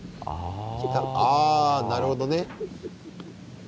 あなるほどね。